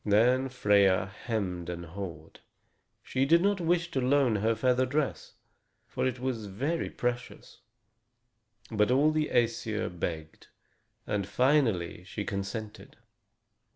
Then Freia hemmed and hawed. She did not wish to loan her feather dress, for it was very precious. But all the Æsir begged; and finally she consented.